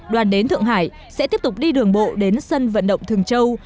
đoàn đến thượng hải sẽ tiếp tục đi đường bộ đến sân vận động thường châu